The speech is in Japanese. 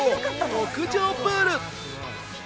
屋上プール！